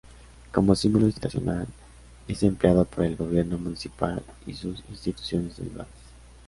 Como símbolo institucional, es empleado por el gobierno municipal y sus instituciones derivadas.